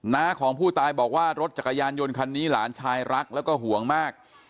น้าของผู้ตายบอกว่ารถจักรยานยนต์คันนี้หลานชายรักแล้วก็ห่วงมาก